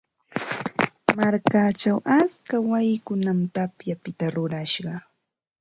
Markachaw atska wayikunam tapyapita rurashqa.